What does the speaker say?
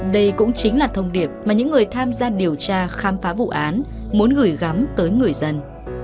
đây cũng chính là thông điệp mà những người tham gia điều tra khám phá vụ án muốn gửi gắm tới người dân